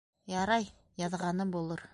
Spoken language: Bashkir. Ярай, яҙғаны булыр.